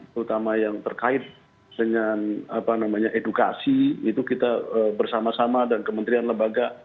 terutama yang terkait dengan edukasi itu kita bersama sama dan kementerian lembaga